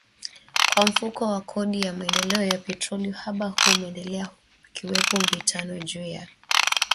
Kwa Mfuko wa Kodi ya Maendeleo ya Petroli uhaba huo umeendelea huku kukiwepo mivutano juu ya kiwango ambacho serikali inatakiwa kuyalipa makampuni ya mafuta.